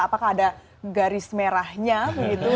apakah ada garis merahnya begitu